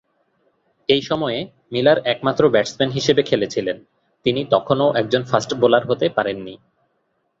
এই সময়ে, মিলার একমাত্র ব্যাটসম্যান হিসাবে খেলেছিলেন; তিনি তখনও একজন ফাস্ট বোলার হতে পারেননি।